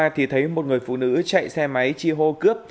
thì thấy một người phụ nữ chạy xe máy chi hô cướp